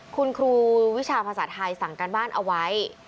คุณครูวิชาภาษาไทยสั่งการบ้านเอาไว้